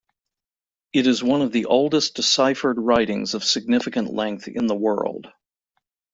It is one of the oldest deciphered writings of significant length in the world.